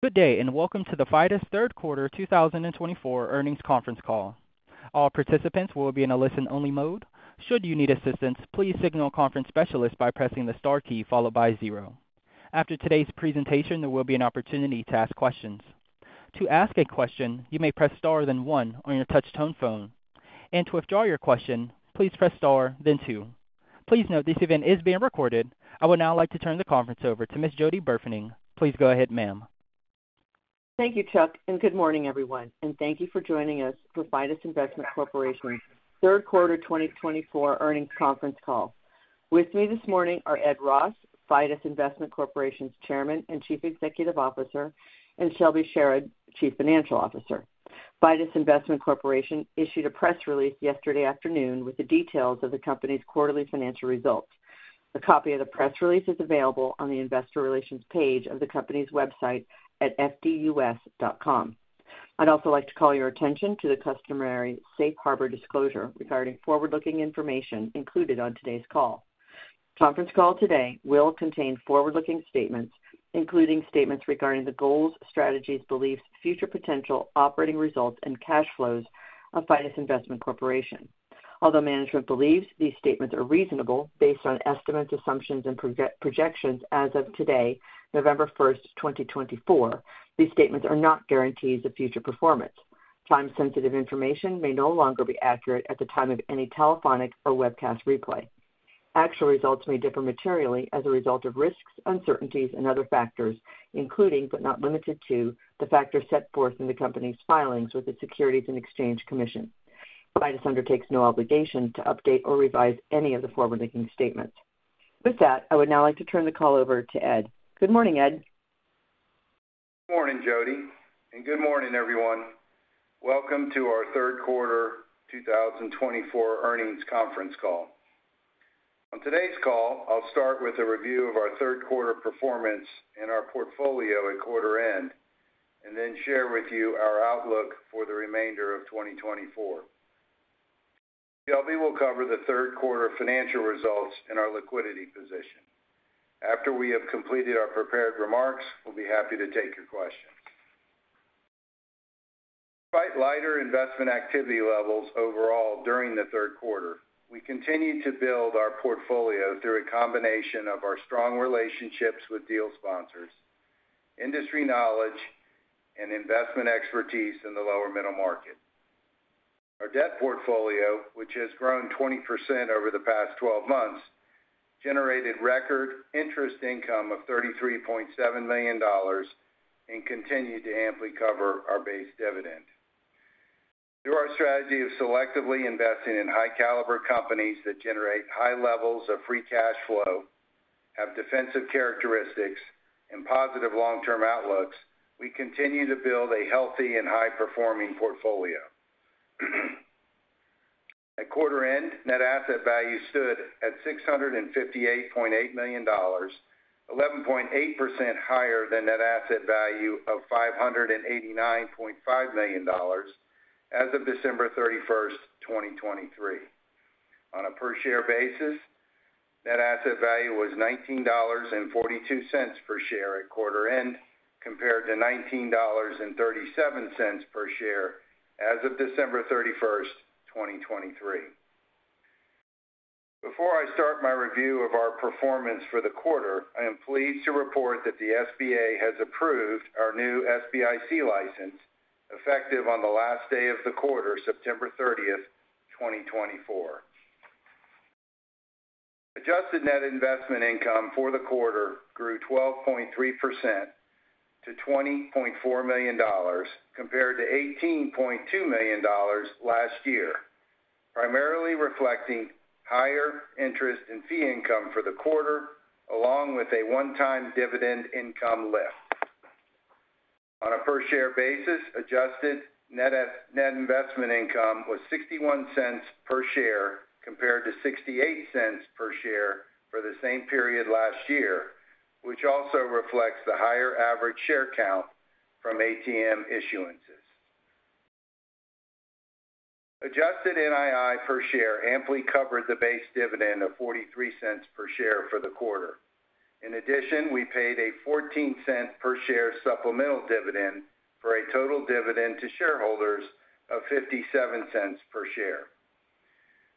Good day, and welcome to the Fidus Q3 2024 earnings conference call. All participants will be in a listen-only mode. Should you need assistance, please signal conference specialists by pressing the star key followed by zero. After today's presentation, there will be an opportunity to ask questions. To ask a question, you may press star then one on your touch-tone phone. And to withdraw your question, please press star then two. Please note this event is being recorded. I would now like to turn the conference over to Ms. Jody Burfening. Please go ahead, ma'am. Thank you, Chuck, and good morning, everyone and thank you for joining us for Fidus Investment Corporation Q3 2024 earnings conference call. With me this morning are Ed Ross, Fidus Investment Corporation's Chairman and Chief Executive Officer, and Shelby Sherard, Chief Financial Officer. Fidus Investment Corporation issued a press release yesterday afternoon with the details of the company's quarterly financial results. A copy of the press release is available on the Investor Relations page of the company's website at fdus.com. I'd also like to call your attention to the customary safe harbor disclosure regarding forward-looking information included on today's call. The conference call today will contain forward-looking statements, including statements regarding the goals, strategies, beliefs, future potential, operating results, and cash flows of Fidus Investment Corporation. Although management believes these statements are reasonable based on estimates, assumptions, and projections as of today, November 1st, 2024, these statements are not guarantees of future performance. Time-sensitive information may no longer be accurate at the time of any telephonic or webcast replay. Actual results may differ materially as a result of risks, uncertainties, and other factors, including but not limited to the factors set forth in the company's filings with the Securities and Exchange Commission. Fidus undertakes no obligation to update or revise any of the forward-looking statements. With that, I would now like to turn the call over to Ed. Good morning, Ed. Good morning, Jody, and good morning, everyone. Welcome to our Q3 2024 earnings conference call. On today's call, I'll start with a review of our Q3 performance and our portfolio at quarter-end, and then share with you our outlook for the remainder of 2024. Shelby will cover the Q3 financial results and our liquidity position. After we have completed our prepared remarks, we'll be happy to take your questions. Despite lighter investment activity levels overall during the Q3, we continue to build our portfolio through a combination of our strong relationships with deal sponsors, industry knowledge, and investment expertise in the lower middle market. Our debt portfolio, which has grown 20% over the past 12 months, generated record interest income of $33.7 million and continued to amply cover our base dividend. Through our strategy of selectively investing in high-caliber companies that generate high levels of free cash flow, have defensive characteristics, and positive long-term outlooks, we continue to build a healthy and high-performing portfolio. At quarter-end, net asset value stood at $658.8 million, 11.8% higher than net asset value of $589.5 million as of December 31st, 2023. On a per-share basis, net asset value was $19.42 per share at quarter-end, compared to $19.37 per share as of December 31st, 2023. Before I start my review of our performance for the quarter, I am pleased to report that the SBA has approved our new SBIC license, effective on the last day of the quarter, September 30th, 2024. Adjusted net investment income for the quarter grew 12.3% to $20.4 million, compared to $18.2 million last year, primarily reflecting higher interest and fee income for the quarter, along with a one-time dividend income lift. On a per-share basis, adjusted net investment income was $0.61 per share, compared to $0.68 per share for the same period last year, which also reflects the higher average share count from ATM issuances. Adjusted NII per share amply covered the base dividend of $0.43 per share for the quarter. In addition, we paid a $0.14 per share supplemental dividend for a total dividend to shareholders of $0.57 per share.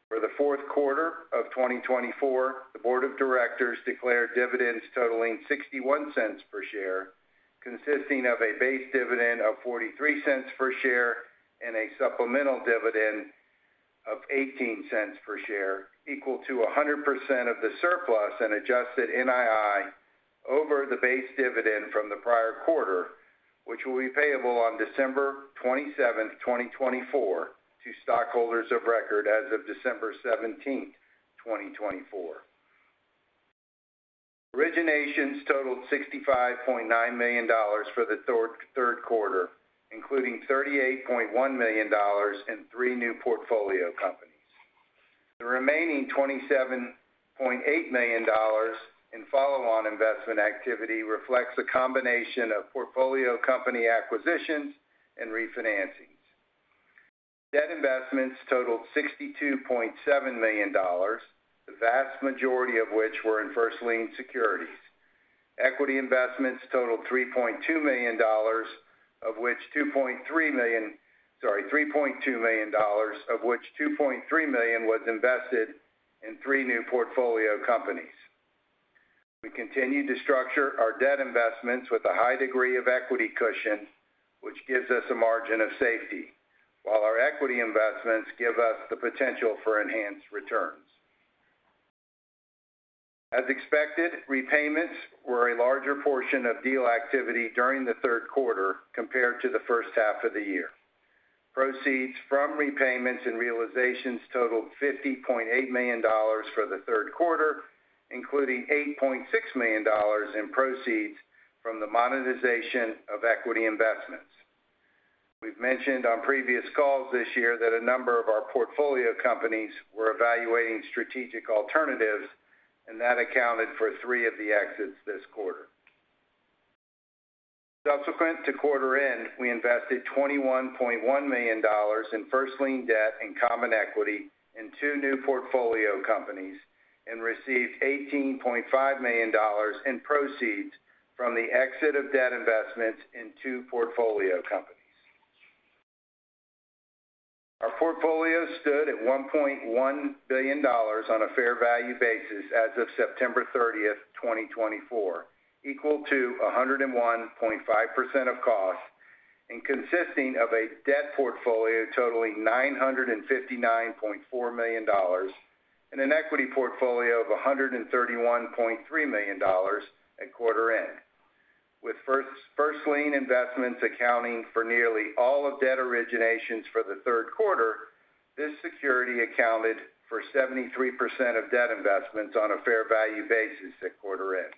For the fourth quarter of 2024, the Board of Directors declared dividends totaling $0.61 per share, consisting of a base dividend of $0.43 per share and a supplemental dividend of $0.18 per share, equal to 100% of the surplus in adjusted NII over the base dividend from the prior quarter, which will be payable on December 27th, 2024, to stockholders of record as of December 17th, 2024. Originations totaled $65.9 million for the third quarter, including $38.1 million and three new portfolio companies. The remaining $27.8 million in follow-on investment activity reflects a combination of portfolio company acquisitions and refinancings. Debt investments totaled $62.7 million, the vast majority of which were in first lien securities. Equity investments totaled $3.2 million, of which $2.3 million, sorry, $3.2 million, of which $2.3 million was invested in three new portfolio companies. We continue to structure our debt investments with a high degree of equity cushion, which gives us a margin of safety, while our equity investments give us the potential for enhanced returns. As expected, repayments were a larger portion of deal activity during the Q3 compared to the first half of the year. Proceeds from repayments and realizations totaled $50.8 million for the Q3, including $8.6 million in proceeds from the monetization of equity investments. We've mentioned on previous calls this year that a number of our portfolio companies were evaluating strategic alternatives, and that accounted for three of the exits this quarter. Subsequent to quarter-end, we invested $21.1 million in first-lien debt and common equity in two new portfolio companies and received $18.5 million in proceeds from the exit of debt investments in two portfolio companies. Our portfolio stood at $1.1 billion on a fair value basis as of September 30th, 2024, equal to 101.5% of cost, and consisting of a debt portfolio totaling $959.4 million and an equity portfolio of $131.3 million at quarter-end. With first-lien investments accounting for nearly all of debt originations for the third quarter, this seniority accounted for 73% of debt investments on a fair value basis at quarter-end.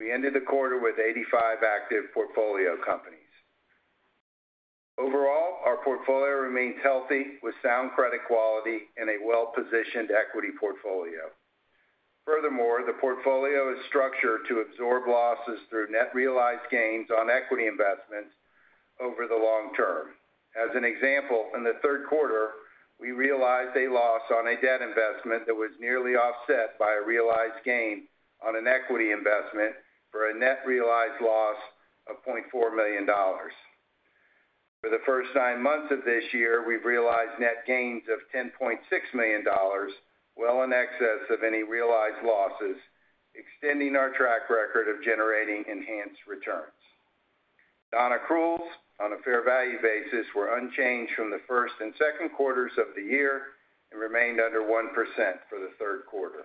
We ended the quarter with 85 active portfolio companies. Overall, our portfolio remains healthy with sound credit quality and a well-positioned equity portfolio. Furthermore, the portfolio is structured to absorb losses through net realized gains on equity investments over the long term. As an example, in the third quarter, we realized a loss on a debt investment that was nearly offset by a realized gain on an equity investment for a net realized loss of $0.4 million. For the first nine months of this year, we've realized net gains of $10.6 million, well in excess of any realized losses, extending our track record of generating enhanced returns. Non-accruals on a fair value basis were unchanged from the first and second quarters of the year and remained under 1% for the Q3.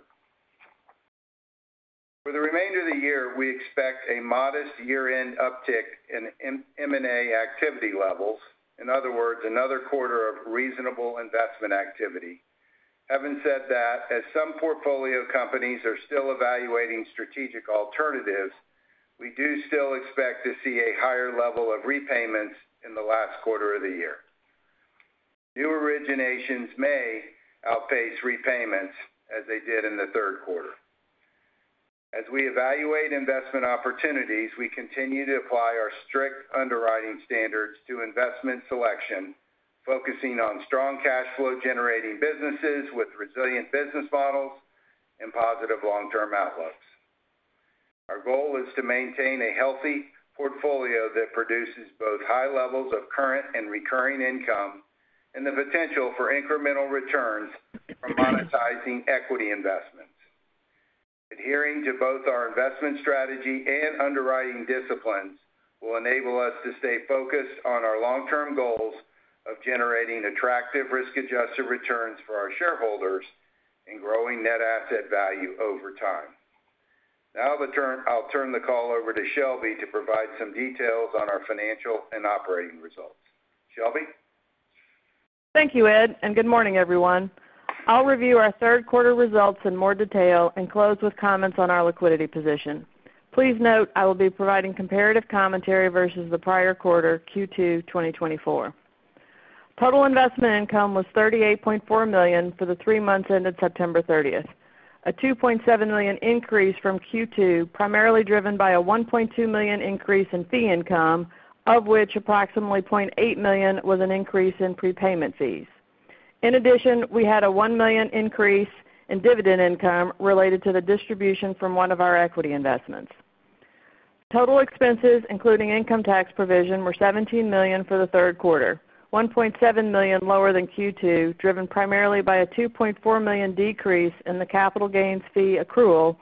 For the remainder of the year, we expect a modest year-end uptick in M&A activity levels, in other words, another quarter of reasonable investment activity. Having said that, as some portfolio companies are still evaluating strategic alternatives, we do still expect to see a higher level of repayments in the last quarter of the year. New originations may outpace repayments as they did in the third quarter. As we evaluate investment opportunities, we continue to apply our strict underwriting standards to investment selection, focusing on strong cash flow-generating businesses with resilient business models and positive long-term outlooks. Our goal is to maintain a healthy portfolio that produces both high levels of current and recurring income and the potential for incremental returns from monetizing equity investments. Adhering to both our investment strategy and underwriting disciplines will enable us to stay focused on our long-term goals of generating attractive risk-adjusted returns for our shareholders and growing net asset value over time. Now, I'll turn the call over to Shelby to provide some details on our financial and operating results. Shelby? Thank you, Ed, and good morning, everyone. I'll review our third quarter results in more detail and close with comments on our liquidity position. Please note I will be providing comparative commentary versus the prior quarter, Q2 2024. Total investment income was $38.4 million for the three months ended September 30th, a $2.7 million increase from Q2, primarily driven by a $1.2 million increase in fee income, of which approximately $0.8 million was an increase in prepayment fees. In addition, we had a $1 million increase in dividend income related to the distribution from one of our equity investments. Total expenses, including income tax provision, were $17 million for the third quarter, $1.7 million lower than Q2, driven primarily by a $2.4 million decrease in the capital gains fee accrual,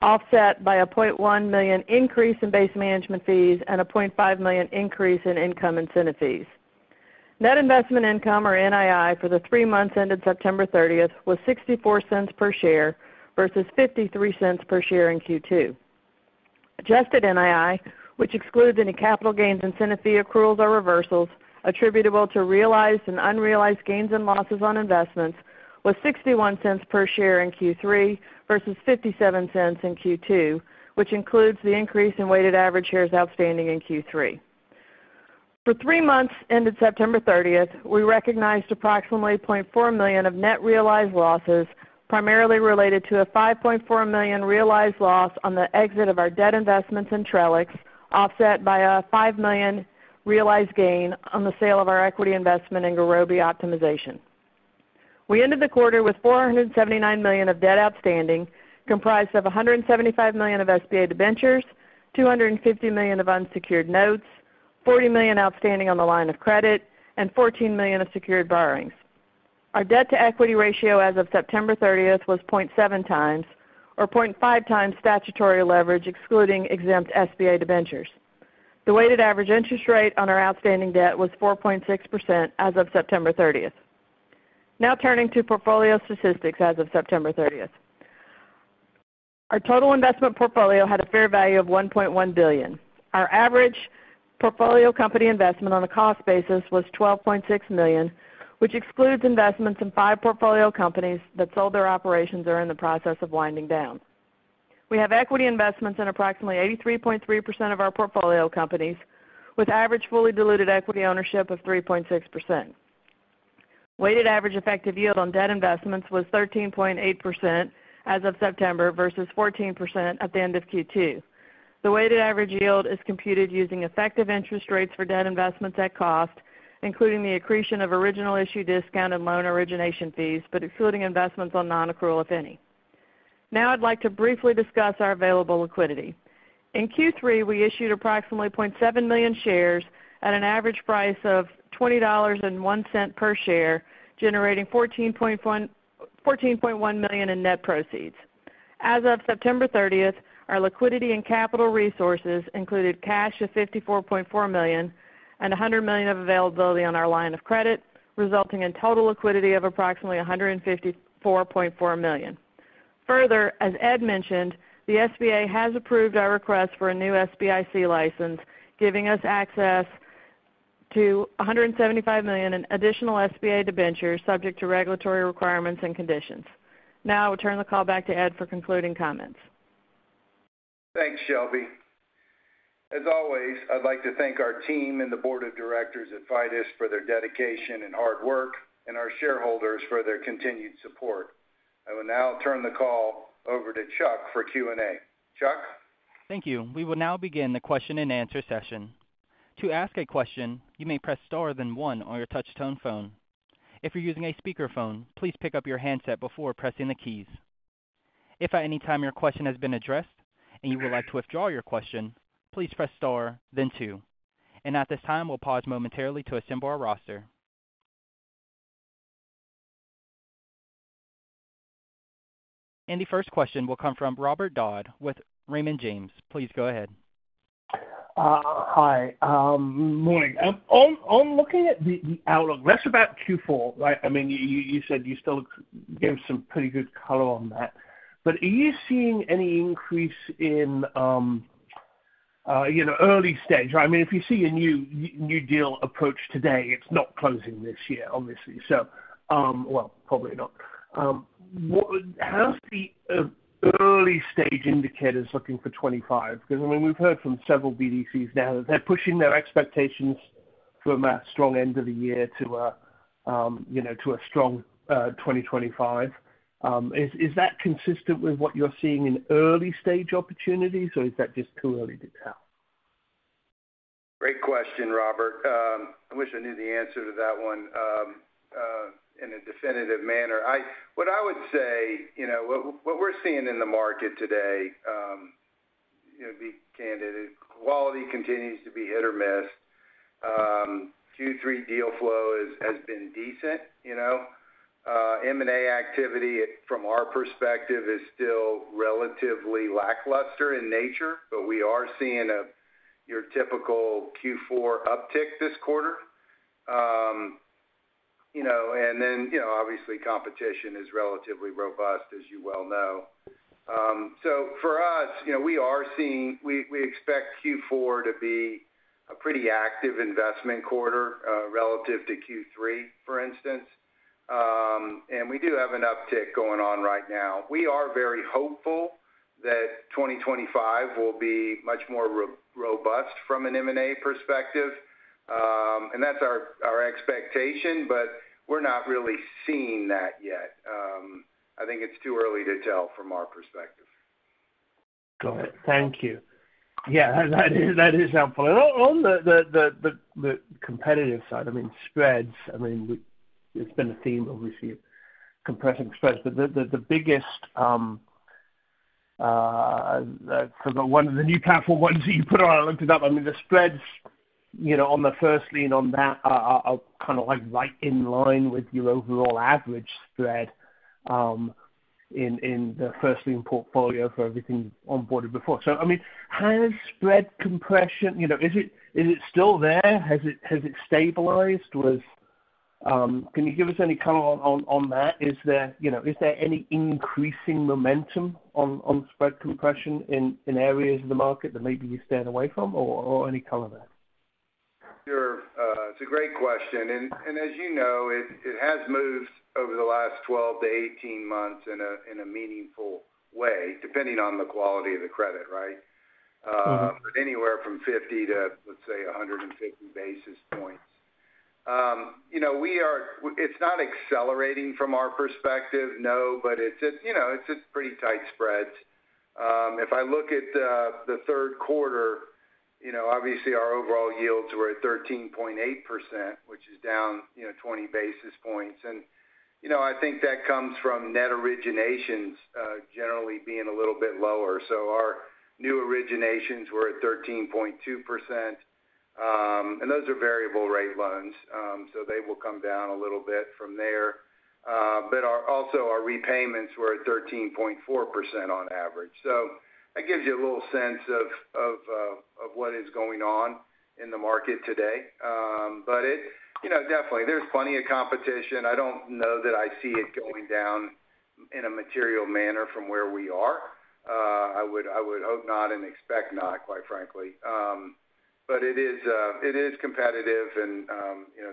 offset by a $0.1 million increase in base management fees and a $0.5 million increase in income and incentive fees. Net investment income, or NII, for the three months ended September 30th was $0.64 per share versus $0.53 per share in Q2. Adjusted NII, which excludes any capital gains and incentive fee accruals or reversals attributable to realized and unrealized gains and losses on investments, was $0.61 per share in Q3 versus $0.57 in Q2, which includes the increase in weighted average shares outstanding in Q3. For three months ended September 30th, we recognized approximately $0.4 million of net realized losses, primarily related to a $5.4 million realized loss on the exit of our debt investments in Trellix, offset by a $5 million realized gain on the sale of our equity investment in Gurobi Optimization. We ended the quarter with $479 million of debt outstanding, comprised of $175 million of SBA debentures, $250 million of unsecured notes, $40 million outstanding on the line of credit, and $14 million of secured borrowings. Our debt-to-equity ratio as of September 30th was 0.7x, or 0.5x statutory leverage, excluding exempt SBA debentures. The weighted average interest rate on our outstanding debt was 4.6% as of September 30th. Now, turning to portfolio statistics as of September 30th, our total investment portfolio had a fair value of $1.1 billion. Our average portfolio company investment on a cost basis was $12.6 million, which excludes investments in five portfolio companies that sold their operations or are in the process of winding down. We have equity investments in approximately 83.3% of our portfolio companies, with average fully diluted equity ownership of 3.6%. Weighted average effective yield on debt investments was 13.8% as of September versus 14% at the end of Q2. The weighted average yield is computed using effective interest rates for debt investments at cost, including the accretion of original issue discount and loan origination fees, but excluding investments on non-accrual, if any. Now, I'd like to briefly discuss our available liquidity. In Q3, we issued approximately $0.7 million shares at an average price of $20.01 per share, generating $14.1 million in net proceeds. As of September 30th, our liquidity and capital resources included cash of $54.4 million and $100 million of availability on our line of credit, resulting in total liquidity of approximately $154.4 million. Further, as Ed mentioned, the SBA has approved our request for a new SBIC license, giving us access to $175 million in additional SBA debentures subject to regulatory requirements and conditions. Now, I will turn the call back to Ed for concluding comments. Thanks, Shelby. As always, I'd like to thank our team and the Board of Directors at Fidus for their dedication and hard work, and our shareholders for their continued support. I will now turn the call over to Chuck for Q&A. Chuck? Thank you. We will now begin the question-and-answer session. To ask a question, you may press star then one on your touch-tone phone. If you're using a speakerphone, please pick up your handset before pressing the keys. If at any time your question has been addressed and you would like to withdraw your question, please press star, then two. And at this time, we'll pause momentarily to assemble our roster. And the first question will come from Robert Dodd with Raymond James. Please go ahead. Hi. Good morning. I'm looking at the outlook, less about Q4. I mean, you said you still gave some pretty good color on that. But are you seeing any increase in early stage? I mean, if you see a new deal approach today, it's not closing this year, obviously. So, well, probably not. How's the early stage indicators looking for 2025? Because, I mean, we've heard from several BDCs now that they're pushing their expectations for a strong end of the year to a strong 2025. Is that consistent with what you're seeing in early stage opportunities, or is that just too early to tell? Great question, Robert. I wish I knew the answer to that one in a definitive manner. What I would say, what we're seeing in the market today, to be candid, quality continues to be hit or miss. Q3 deal flow has been decent. M&A activity, from our perspective, is still relatively lackluster in nature, but we are seeing your typical Q4 uptick this quarter. And then, obviously, competition is relatively robust, as you well know. So, for us, we are seeing we expect Q4 to be a pretty active investment quarter relative to Q3, for instance. And we do have an uptick going on right now. We are very hopeful that 2025 will be much more robust from an M&A perspective. And that's our expectation, but we're not really seeing that yet. I think it's too early to tell from our perspective. Got it. Thank you. Yeah, that is helpful. And on the competitive side, I mean, spreads, I mean, it's been a theme, obviously, compressing spreads. But the biggest, I forgot one of the new powerful ones that you put on. I looked it up. I mean, the spreads on the first lien on that are kind of like right in line with your overall average spread in the first lien portfolio for everything onboarded before. So, I mean, has spread compression, is it still there? Has it stabilized? Can you give us any color on that? Is there any increasing momentum on spread compression in areas of the market that maybe you're staying away from, or any color there? It's a great question, and as you know, it has moved over the last 12 to 18 months in a meaningful way, depending on the quality of the credit, right, but anywhere from 50 to, let's say, 150 basis points. It's not accelerating from our perspective, no, but it's a pretty tight spread. If I look at the third quarter, obviously, our overall yields were at 13.8%, which is down 20 basis points, and I think that comes from net originations generally being a little bit lower, so our new originations were at 13.2%. And those are variable rate loans, so they will come down a little bit from there, but also, our repayments were at 13.4% on average, so that gives you a little sense of what is going on in the market today, but definitely, there's plenty of competition. I don't know that I see it going down in a material manner from where we are. I would hope not and expect not, quite frankly. But it is competitive, and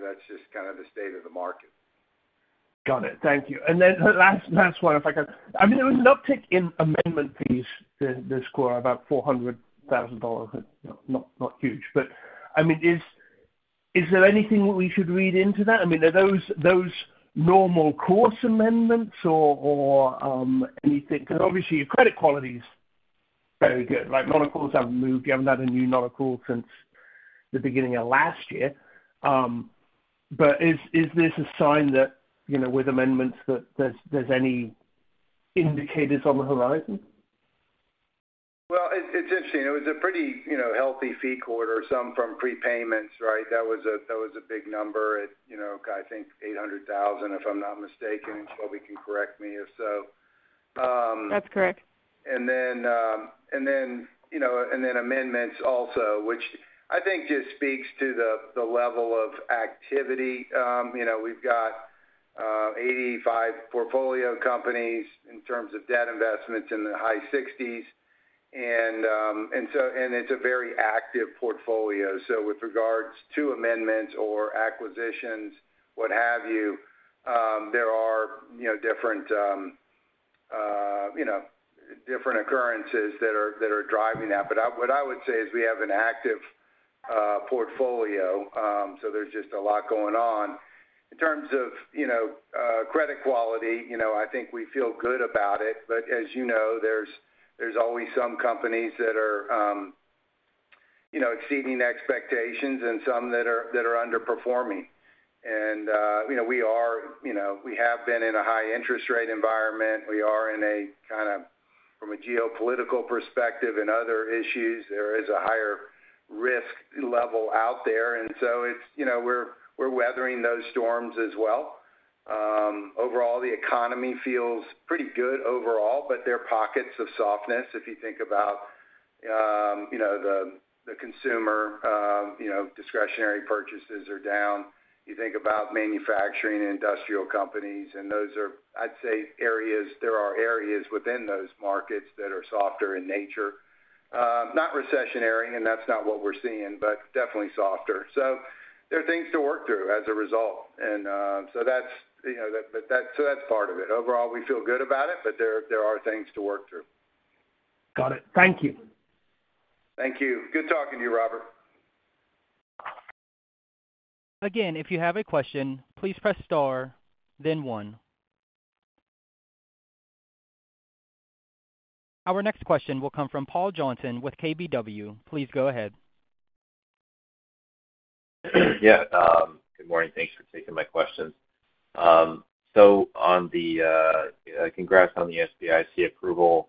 that's just kind of the state of the market. Got it. Thank you. And then the last one, if I could. I mean, there was an uptick in amendment fees this quarter, about $400,000, not huge. But I mean, is there anything we should read into that? I mean, are those normal course amendments or anything? Because obviously, your credit quality is very good. Non-accruals haven't moved. You haven't had a new non-accrual since the beginning of last year. But is this a sign that, with amendments, that there's any indicators on the horizon? It's interesting. It was a pretty healthy fee quarter, some from prepayments, right? That was a big number at, I think, $800,000, if I'm not mistaken. Shelby can correct me if so. That's correct. Then amendments also, which I think just speaks to the level of activity. We've got 85 portfolio companies in terms of debt investments in the high 60s. It's a very active portfolio. With regards to amendments or acquisitions, what have you, there are different occurrences that are driving that. What I would say is we have an active portfolio, so there's just a lot going on. In terms of credit quality, I think we feel good about it. As you know, there's always some companies that are exceeding expectations and some that are underperforming. We have been in a high-interest rate environment. We are in a kind of, from a geopolitical perspective and other issues, there is a higher risk level out there. So we're weathering those storms as well. Overall, the economy feels pretty good overall, but there are pockets of softness. If you think about the consumer discretionary purchases are down. You think about manufacturing and industrial companies, and those are, I'd say, areas. There are areas within those markets that are softer in nature. Not recessionary, and that's not what we're seeing, but definitely softer. So there are things to work through as a result. And so that's part of it. Overall, we feel good about it, but there are things to work through. Got it. Thank you. Thank you. Good talking to you, Robert. Again, if you have a question, please press star, then one. Our next question will come from Paul Johnson with KBW. Please go ahead. Yeah. Good morning. Thanks for taking my questions. So, on the congrats on the SBIC approval.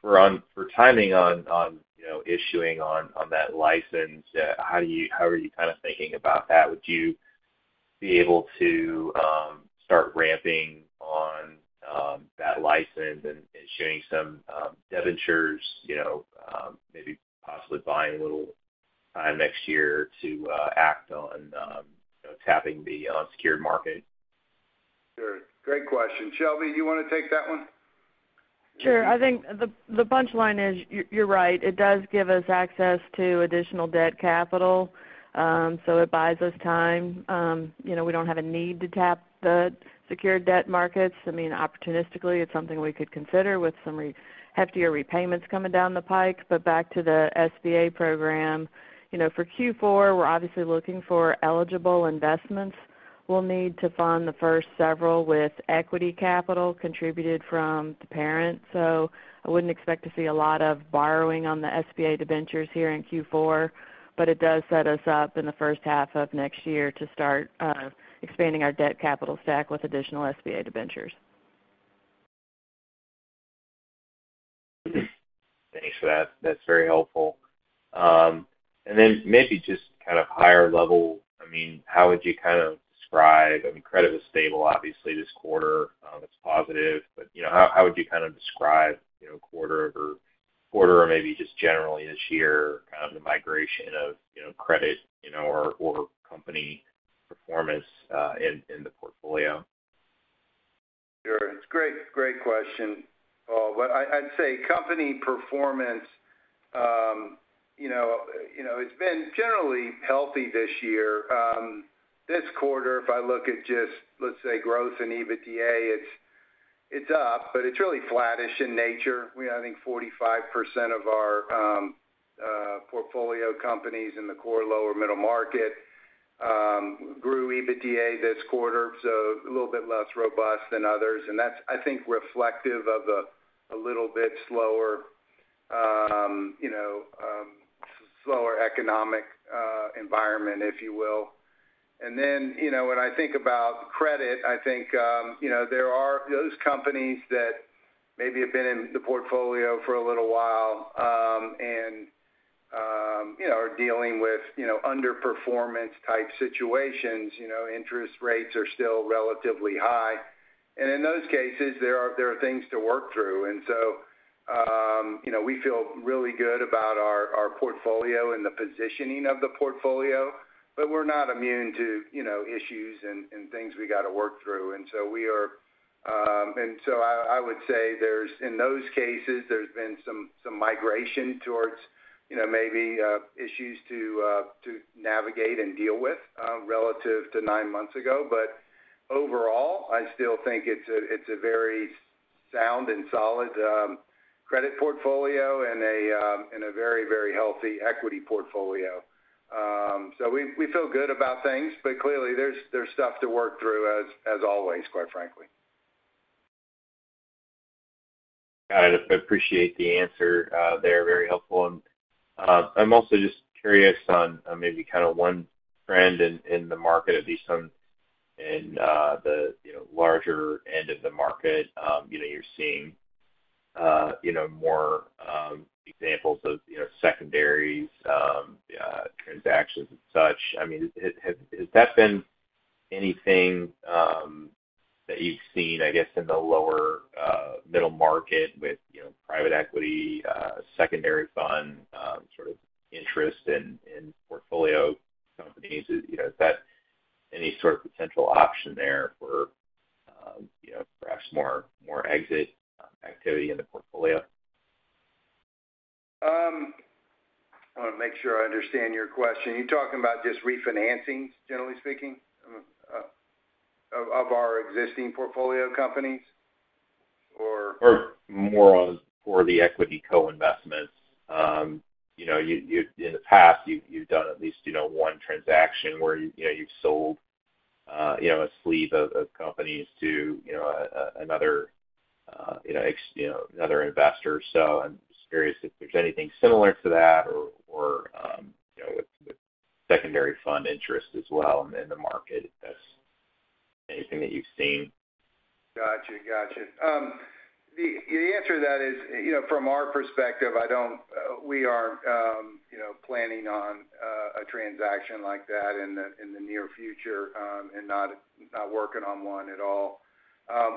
For timing on issuing on that license, how are you kind of thinking about that? Would you be able to start ramping on that license and issuing some debentures, maybe possibly buying a little time next year to act on tapping the unsecured market? Sure. Great question. Shelby, do you want to take that one? Sure. I think the punchline is you're right. It does give us access to additional debt capital, so it buys us time. We don't have a need to tap the secured debt markets. I mean, opportunistically, it's something we could consider with some heftier repayments coming down the pike. But back to the SBA program, for Q4, we're obviously looking for eligible investments. We'll need to fund the first several with equity capital contributed from the parent. So I wouldn't expect to see a lot of borrowing on the SBA debentures here in Q4, but it does set us up in the first half of next year to start expanding our debt capital stack with additional SBA debentures. Thanks for that. That's very helpful. And then maybe just kind of higher level, I mean, how would you kind of describe, I mean, credit was stable, obviously, this quarter. It's positive. But how would you kind of describe a quarter or maybe just generally this year, kind of the migration of credit or company performance in the portfolio? Sure. It's a great question, Paul. But I'd say company performance, it's been generally healthy this year. This quarter, if I look at just, let's say, growth and EBITDA, it's up, but it's really flattish in nature. I think 45% of our portfolio companies in the core lower middle market grew EBITDA this quarter, so a little bit less robust than others. And that's, I think, reflective of a little bit slower economic environment, if you will. Then when I think about credit, I think there are those companies that maybe have been in the portfolio for a little while and are dealing with underperformance-type situations. Interest rates are still relatively high. In those cases, there are things to work through. We feel really good about our portfolio and the positioning of the portfolio, but we're not immune to issues and things we got to work through. I would say in those cases, there's been some migration towards maybe issues to navigate and deal with relative to nine months ago. Overall, I still think it's a very sound and solid credit portfolio and a very, very healthy equity portfolio. We feel good about things, but clearly, there's stuff to work through, as always, quite frankly. Got it. I appreciate the answer. They're very helpful. And I'm also just curious on maybe kind of one trend in the market, at least in the larger end of the market. You're seeing more examples of secondaries, transactions, and such. I mean, has that been anything that you've seen, I guess, in the lower middle market with private equity, secondary fund sort of interest in portfolio companies? Is that any sort of potential option there for perhaps more exit activity in the portfolio? I want to make sure I understand your question. You're talking about just refinancing, generally speaking, of our existing portfolio companies, or? More info on the equity co-investments. In the past, you've done at least one transaction where you've sold a sleeve of companies to another investor. So I'm just curious if there's anything similar to that or with secondary fund interest as well in the market. Is there anything that you've seen? Gotcha. Gotcha. The answer to that is, from our perspective, we are planning on a transaction like that in the near future and not working on one at all.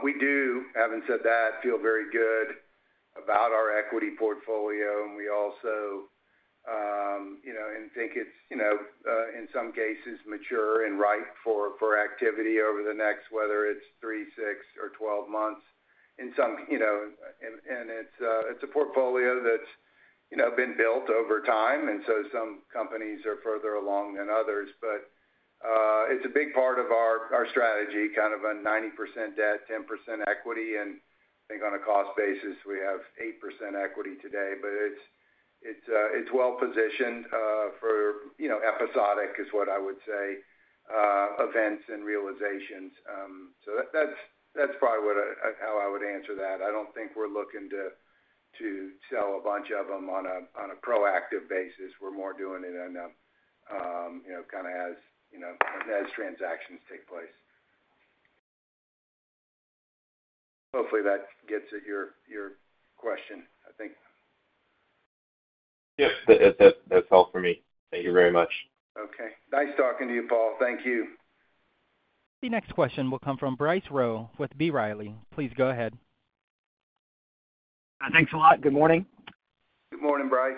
We do, having said that, feel very good about our equity portfolio. And we also think it's, in some cases, mature and ripe for activity over the next, whether it's three, six, or twelve months. And it's a portfolio that's been built over time. And so some companies are further along than others. But it's a big part of our strategy, kind of a 90% debt, 10% equity. And I think on a cost basis, we have 8% equity today. But it's well-positioned for episodic, is what I would say, events and realizations. So that's probably how I would answer that. I don't think we're looking to sell a bunch of them on a proactive basis. We're more doing it kind of as transactions take place. Hopefully, that gets at your question, I think. Yep. That's all for me. Thank you very much. Okay. Nice talking to you, Paul. Thank you. The next question will come from Bryce Rowe with B. Riley Securities. Please go ahead. Thanks a lot. Good morning. Good morning, Bryce.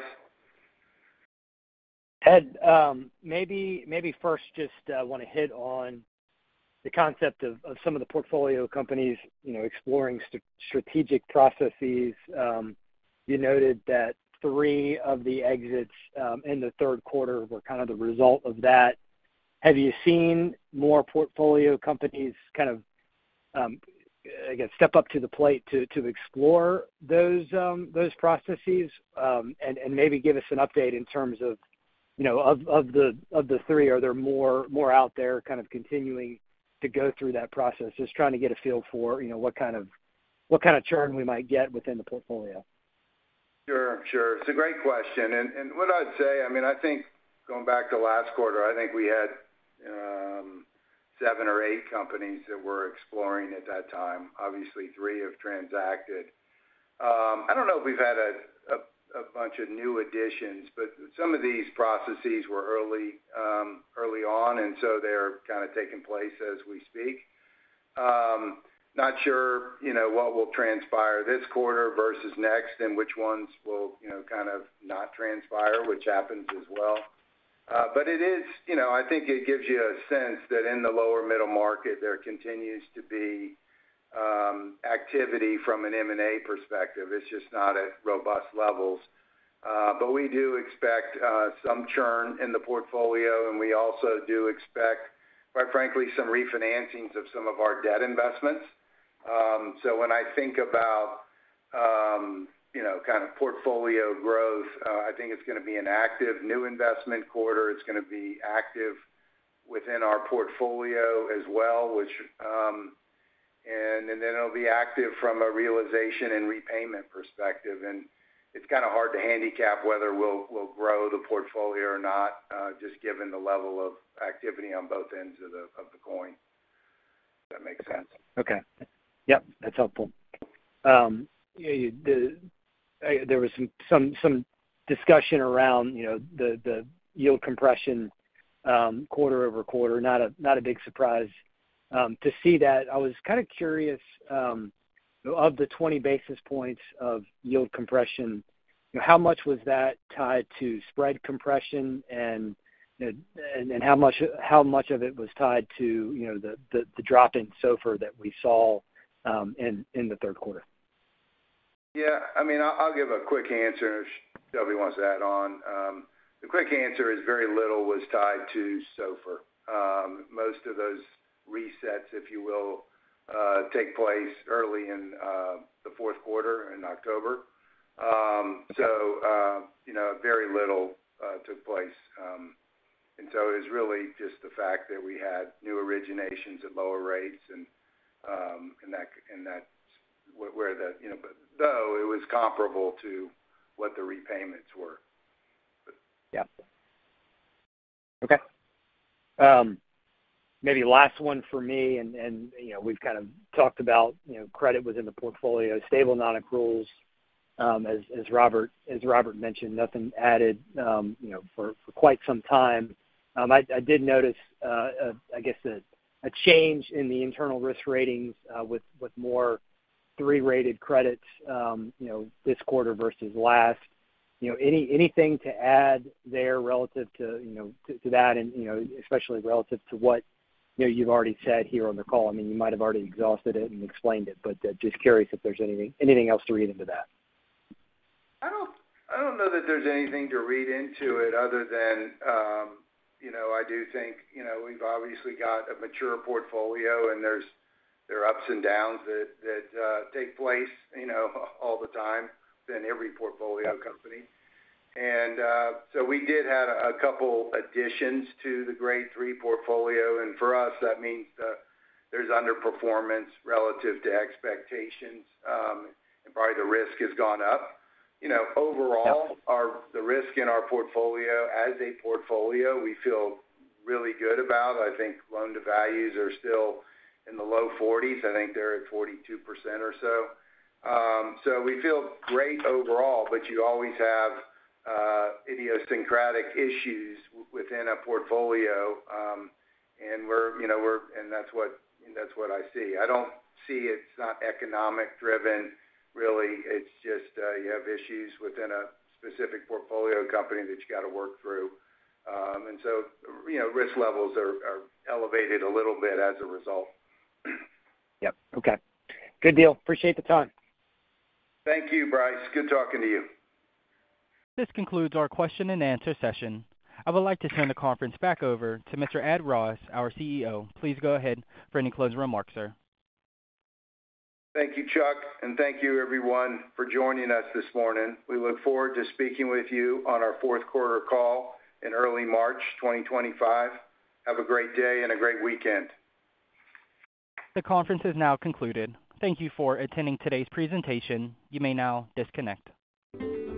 Ed, maybe first, just want to hit on the concept of some of the portfolio companies exploring strategic processes. You noted that three of the exits in the third quarter were kind of the result of that. Have you seen more portfolio companies kind of, I guess, step up to the plate to explore those processes and maybe give us an update in terms of the three? Are there more out there kind of continuing to go through that process? Just trying to get a feel for what kind of churn we might get within the portfolio. Sure. Sure. It's a great question. And what I'd say, I mean, I think going back to last quarter, I think we had seven or eight companies that were exploring at that time. Obviously, three have transacted. I don't know if we've had a bunch of new additions, but some of these processes were early on, and so they're kind of taking place as we speak. Not sure what will transpire this quarter versus next and which ones will kind of not transpire, which happens as well. But I think it gives you a sense that in the lower middle market, there continues to be activity from an M&A perspective. It's just not at robust levels. But we do expect some churn in the portfolio, and we also do expect, quite frankly, some refinancings of some of our debt investments. So when I think about kind of portfolio growth, I think it's going to be an active new investment quarter. It's going to be active within our portfolio as well, and then it'll be active from a realization and repayment perspective. And it's kind of hard to handicap whether we'll grow the portfolio or not, just given the level of activity on both ends of the coin. Does that make sense? Okay. Yep. That's helpful. There was some discussion around the yield compression quarter-over-quarter. Not a big surprise to see that. I was kind of curious, of the 20 basis points of yield compression, how much was that tied to spread compression, and how much of it was tied to the drop in SOFR that we saw in the third quarter? Yeah. I mean, I'll give a quick answer if Shelby wants to add on. The quick answer is very little was tied to SOFR. Most of those resets, if you will, take place early in the fourth quarter, in October. So very little took place. And so it was really just the fact that we had new originations at lower rates and that's where the—though it was comparable to what the repayments were. Yeah. Okay. Maybe last one for me. And we've kind of talked about credit was in the portfolio, stable non-accruals. As Robert mentioned, nothing added for quite some time. I did notice, I guess, a change in the internal risk ratings with more three-rated credits this quarter versus last. Anything to add there relative to that, and especially relative to what you've already said here on the call? I mean, you might have already exhausted it and explained it, but just curious if there's anything else to read into that. I don't know that there's anything to read into it other than I do think we've obviously got a mature portfolio, and there are ups and downs that take place all the time in every portfolio company, and so we did have a couple additions to the grade three portfolio. And for us, that means there's underperformance relative to expectations, and probably the risk has gone up. Overall, the risk in our portfolio, as a portfolio, we feel really good about. I think loan-to-values are still in the low 40s. I think they're at 42% or so. So we feel great overall, but you always have idiosyncratic issues within a portfolio, and that's what I see. I don't see it. It's not economic-driven, really. It's just you have issues within a specific portfolio company that you got to work through. Risk levels are elevated a little bit as a result. Yep. Okay. Good deal. Appreciate the time. Thank you, Bryce. Good talking to you. This concludes our question-and-answer session. I would like to turn the conference back over to Mr. Ed Ross, our CEO. Please go ahead for any closing remarks, sir. Thank you, Chuck, and thank you, everyone, for joining us this morning. We look forward to speaking with you on our fourth quarter call in early March 2025. Have a great day and a great weekend. The conference is now concluded. Thank you for attending today's presentation. You may now disconnect.